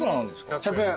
１００円。